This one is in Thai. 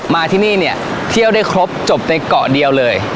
มาที่นี่เนี่ยเที่ยวได้ครบจบในเกาะเดียวเลย